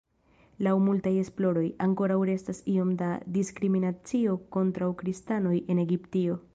Laŭ multaj esploroj, ankoraŭ restas iom da diskriminacio kontraŭ kristanoj en Egiptio.